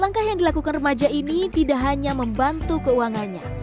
langkah yang dilakukan remaja ini tidak hanya membantu keuangannya